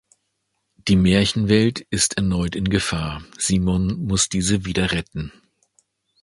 Die Märchenwelt ist erneut in Gefahr, Simon muss diese wieder retten.